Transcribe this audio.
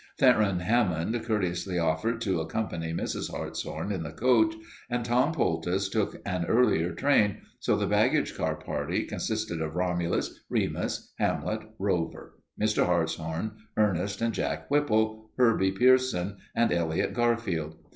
Theron Hammond courteously offered to accompany Mrs. Hartshorn in the coach and Tom Poultice took an earlier train, so the baggage car party consisted of Romulus, Remus, Hamlet, Rover, Mr. Hartshorn, Ernest and Jack Whipple, Herbie Pierson, and Elliot Garfield.